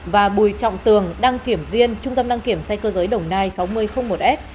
và bùi trọng tường đăng kiểm viên trung tâm đăng kiểm xe cơ giới đồng nai sáu nghìn một s